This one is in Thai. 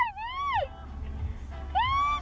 พี่ช่วยด้วย